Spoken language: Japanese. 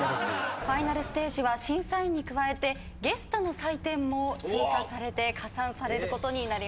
ファイナルステージは審査員に加えてゲストの採点も追加されて加算されることになります。